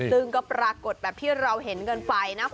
ซึ่งก็ปรากฏแบบที่เราเห็นกันไปนะ